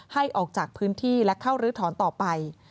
ให้ออกจากพื้นที่และเข้ารื้อถอนต่อไป